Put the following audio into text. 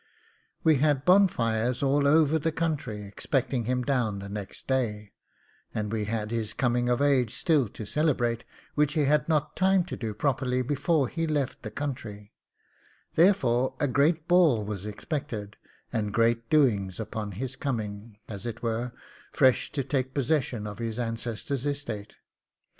We had bonfires all over the country, expecting him down the next day, and we had his coming of age still to celebrate, which he had not time to do properly before he left the country; therefore, a great ball was expected, and great doings upon his coming, as it were, fresh to take possession of his ancestors' estate.